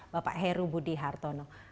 bapak heru budi hartono